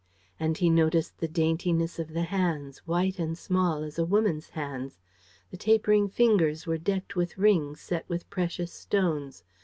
And he noticed the daintiness of the hands, white and small as a woman's hands. The tapering fingers were decked with rings set with precious stones.